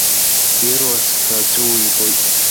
Ирлас, аӡәы уибоит.